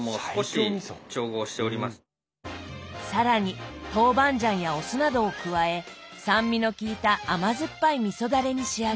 更に豆板醤やお酢などを加え酸味の効いた甘酸っぱいみそダレに仕上げます。